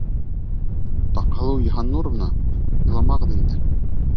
Таңһылыу Йыһаннуровна, иламағыҙ инде!